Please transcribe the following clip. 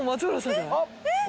えっ⁉